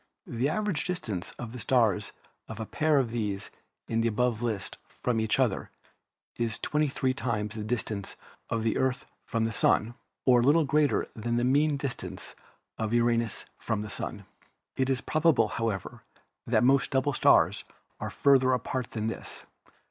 The average dis tance of the stars of a pair of those in the above list from each other is 23 times the distance of the Earth from the Sun, or a little greater than the mean distance of Uranus from the Sun. It is probable, however, that most double stars are farther apart than this.